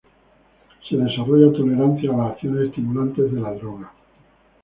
Se desarrolla tolerancia a las acciones estimulantes de la droga.